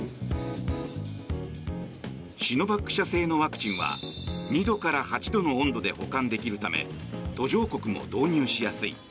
シノバック社製のワクチンは２度から８度の温度で保管できるため途上国も導入しやすい。